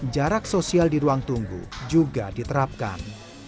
jarak sosial di ruang tunggu juga diterapkan